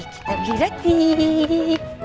kita beli roti